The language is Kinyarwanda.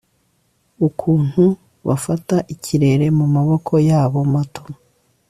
Ukuntu bafata ikirere mumaboko yabo mato